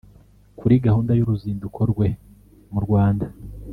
Kuri gahunda y’uruzinduko rwe mu Rwanda